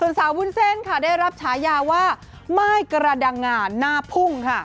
ส่วนสาววุ้นเส้นค่ะได้รับฉายาว่าม่ายกระดังงาหน้าพุ่งค่ะ